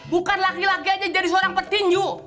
bukan laki laki aja jadi seorang petinju